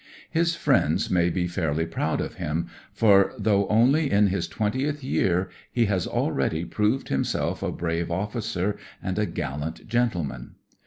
His friends may fairly be proud of him, for though only in his twentieth year he has already proved himself a brave officer and a gallant gentle man.